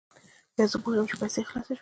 بیا زه پوه شوم چې پیسې خلاصې شوې.